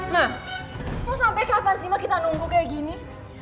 nah mau sampai kapan sih ma kita nunggu kayak gini